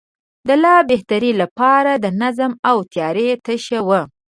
د لا بهترۍ لپاره د نظم او تیارۍ تشه وه.